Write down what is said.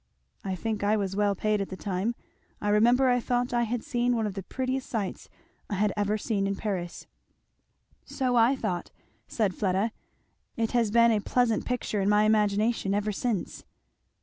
"I think I was well paid at the time. I remember I thought I had seen one of the prettiest sights I had even seen in Paris." "So I thought!" said Fleda. "It has been a pleasant picture in my imagination ever since."